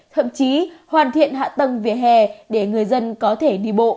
thậm chí hoàn thiện hạ tầng về hè để người dân có thể đi bộ